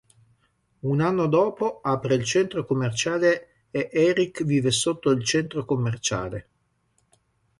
Un anno dopo apre il centro commerciale e Eric vive sotto il centro commerciale.